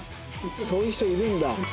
そういう人いるんだ。